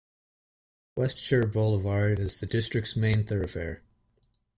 Westshore Boulevard is the district's main thoroughfare.